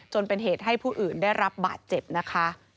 จนเป็นเหตุให้ผู้อื่นได้รับบาดเจ็บนะคะ